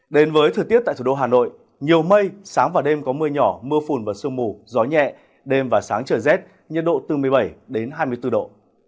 đến với thời tiết tại thủ đô hà nội nhiều mây sáng và đêm có mưa nhỏ mưa phùn và sương mù gió nhẹ đêm và sáng trời rét nhiệt độ từ một mươi bảy đến hai mươi bốn độ